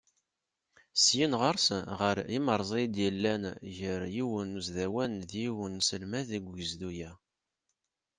Syin ɣer-s ɣer yimerẓi i d-yellan gar yiwen n usdawan d yiwen n uselmad deg ugezdu-a.